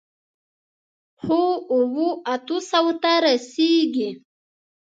خو، اوو، اتو سووو ته رسېږي.